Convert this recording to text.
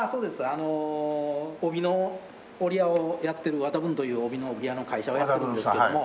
あの帯の織屋をやってる渡文という帯の織屋の会社がやってるんですけども。